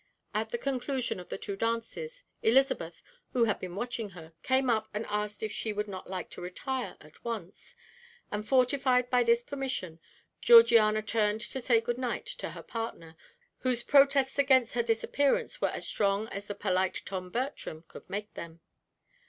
At the conclusion of the two dances, Elizabeth, who had been watching her, came up and asked her if she would not like to retire at once, and fortified by this permission, Georgiana turned to say good night to her partner, whose protests against her disappearance were as strong as the polite Tom Bertram could make them.